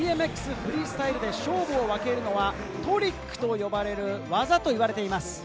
フリースタイルで勝負を分けるのは、トリックと呼ばれる技といわれています。